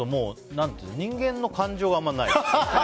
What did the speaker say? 人間の感情があまりない。